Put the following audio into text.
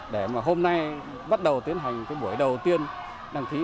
để mà hôm nay bắt đầu tiến hành cái buổi đầu tiên đăng ký